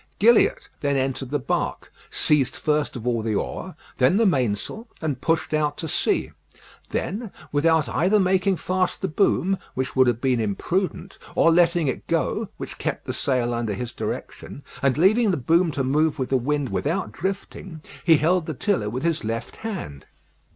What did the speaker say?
Gilliatt then entered the bark, seized first of all the oar, then the mainsail, and pushed out to sea. Then, without either making fast the boom, which would have been imprudent, or letting it go, which kept the sail under his direction, and leaving the boom to move with the wind without drifting, he held the tiller with his left hand.